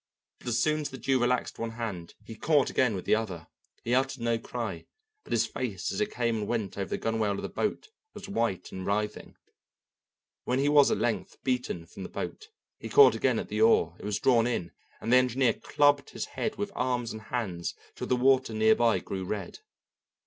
But as soon as the Jew relaxed one hand he caught again with the other. He uttered no cry, but his face as it came and went over the gunwale of the boat was white and writhing. When he was at length beaten from the boat he caught again at the oar; it was drawn in, and the engineer clubbed his head and arms and hands till the water near by grew red.